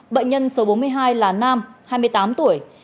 bệnh nhân số bốn mươi hai là nam hai mươi tám tuổi